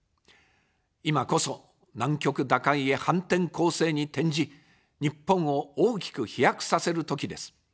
今こそ、難局打開へ反転攻勢に転じ、日本を大きく飛躍させる時です。